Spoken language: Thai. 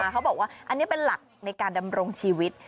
เขาบอกว่าอันนี้เป็นหลักในการดำรงชีวิต